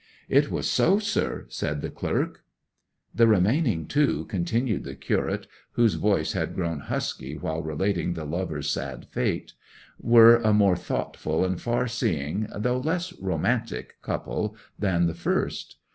'It was so, sir,' said the clerk. 'The remaining two,' continued the curate (whose voice had grown husky while relating the lovers' sad fate), 'were a more thoughtful and far seeing, though less romantic, couple than the first.